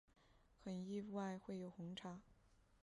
很意外会有红茶